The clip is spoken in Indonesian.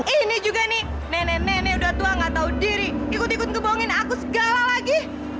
ini juga nih nenek nenek udah tua gak tahu diri ikut ikut ngebongin aku segala lagi